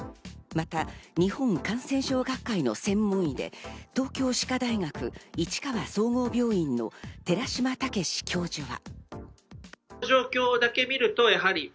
また日本感染症学会の専門医で東京歯科大学市川総合病院の寺嶋毅教授は。